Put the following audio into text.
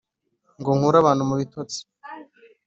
ngo nkure abantu mu bitotsi